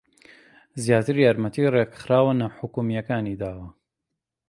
زیاتر یارمەتی ڕێکخراوە ناحوکمییەکانی داوە